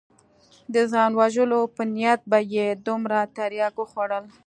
د ځان وژلو په نيت به يې دومره ترياک وخوړل.